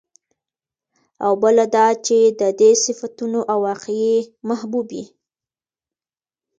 او بله دا چې د دې صفتونو او واقعي محبوبې